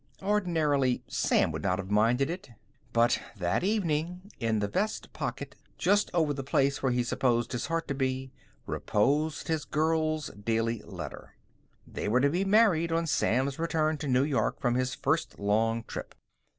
Ordinarily, Sam would not have minded it. But that evening, in the vest pocket just over the place where he supposed his heart to be reposed his girl's daily letter. They were to be married on Sam's return to New York from his first long trip.